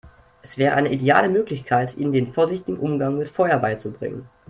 Es wäre eine ideale Möglichkeit, ihnen den vorsichtigen Umgang mit Feuer beizubringen.